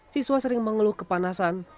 siswa sering mengeluh kepanasan